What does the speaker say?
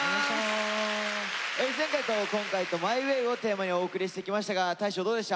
前回と今回と「ＭＹＷＡＹ」をテーマにお送りしてきましたが大昇どうでした？